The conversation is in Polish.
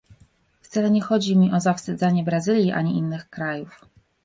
Wcale nie chodzi mi o zawstydzanie Brazylii ani innych krajów